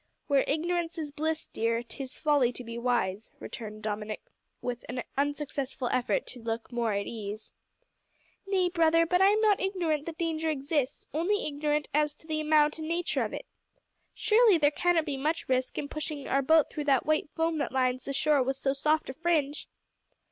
"`Where ignorance is bliss,' dear, `'tis folly to be wise,'" returned Dominick, with an unsuccessful effort to look more at ease. "Nay, brother, but I am not ignorant that danger exists only ignorant as to the amount and nature of it. Surely there cannot be much risk in pushing our boat through that white foam that lines the shore with so soft a fringe."